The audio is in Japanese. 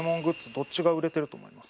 どっちが売れてると思います？